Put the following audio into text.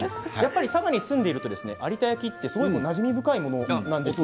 佐賀に住んでいて有田焼はなじみ深いものなんですね。